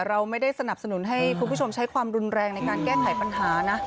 เราไม่ได้สนับสนุนให้คุณผู้ชมใช้ความรุนแรงในการแก้ไขปัญหานะ